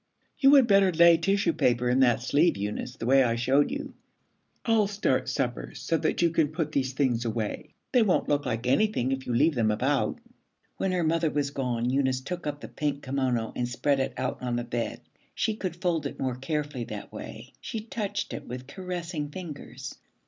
You had better lay tissue paper in that sleeve, Eunice, the way I showed you. I'll start supper so that you can put these things away. They won't look like anything if you leave them about.' When her mother was gone, Eunice took up the pink kimono and spread it out on the bed. She could fold it more carefully that way. She touched it with caressing fingers.